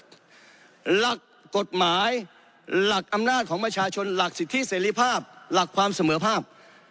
หลักกฎหมายหลักอำนาจของประชาชนหลักสิทธิเสรีภาพหลักความเสมอภาพ